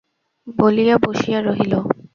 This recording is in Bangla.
বলিয়া বসিয়া রহিল।